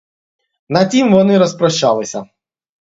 На тім вони розпрощалися.